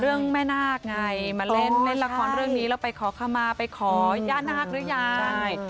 แม่นาคไงมาเล่นเล่นละครเรื่องนี้แล้วไปขอคำมาไปขอย่านาคหรือยาย